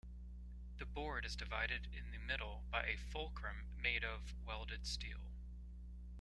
The board is divided in the middle by a fulcrum made of welded steel.